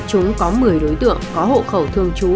chúng có một mươi đối tượng có hộ khẩu thương chú